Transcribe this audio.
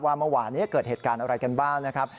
เมื่อวานนี้เกิดเหตุการณ์อะไรกันบ้างนะครับ